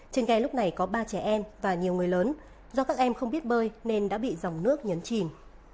trên ghe lúc này có ba trẻ em và nhiều người lớn do các em không biết bơi nên đã bị dòng nước nhấn chìm